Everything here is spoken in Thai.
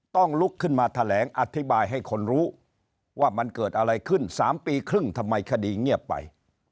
ต้องลุกขึ้นมาแถลงอธิบายให้คนรู้ว่ามันเกิดอะไรขึ้น๓ปีครึ่งทำไมคดีเงียบไป